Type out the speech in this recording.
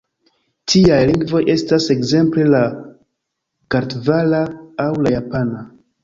Tiaj lingvoj estas ekzemple la kartvela aŭ la japana.